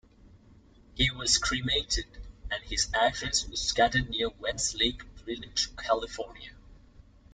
He was cremated, and his ashes were scattered near Westlake Village, California.